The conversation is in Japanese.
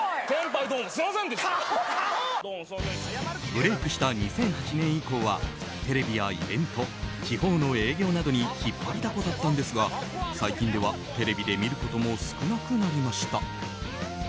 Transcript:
ブレークした２００８年以降はテレビやイベント地方の営業などに引っ張りだこだったんですが最近ではテレビで見ることも少なくなりました。